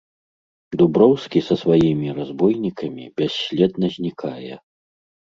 Дуброўскі са сваімі разбойнікамі бясследна знікае.